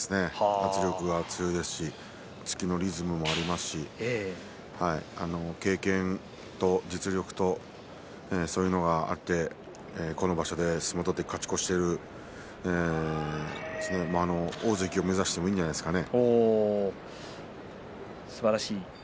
圧力も強いですし突きのリズムもありますし経験と実力とそういうのがあってこの場所勝ち越して大関を目指してもいいんじゃないですかね。